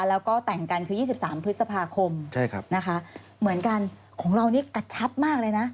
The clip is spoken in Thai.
แล้วก็แต่งกันคือ๒๓พฤษภาคมนะคะเหมือนกันของเรานี่กระชับมากเลยนะ